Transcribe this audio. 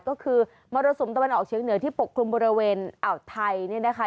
ก็คือมรสมตะวันออกเชียงเหนือที่ปกคลุมบริเวณไทยนะคะ